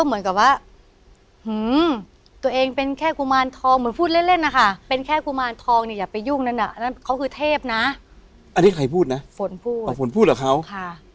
เหมือนไปพูดเล่นอ่ะค่ะแล้วองค์แม่ก็โกรธ